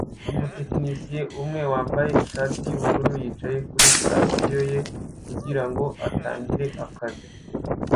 Umutekinisiye umwe wambaye ishati yubururu yicaye kuri sitasiyo ye kugirango atangire akazi